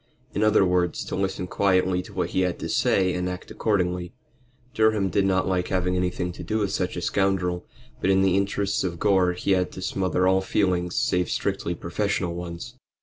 In other words, to listen quietly to what he had to say and act accordingly. Durham did not like having anything to do with such a scoundrel, but in the interests of Gore he had to smother all feelings save strictly professional ones.